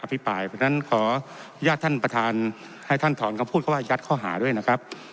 พิปรายเพราะฉะนั้นขออนุญาตท่านประธานให้ท่านถอนคำพูดเขาว่ายัดข้อหาด้วยนะครับ